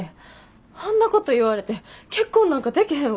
あんなこと言われて結婚なんかでけへんわ。